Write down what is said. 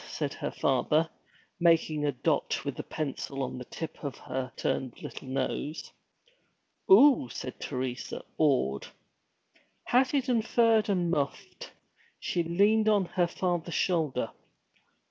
said her father, making a dot with the pencil on the tip of her upturned little nose. 'Oo!' said Teresa, awed. Hatted, furred, and muffed, she leaned on her father's shoulder.